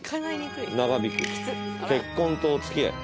結婚とお付き合い。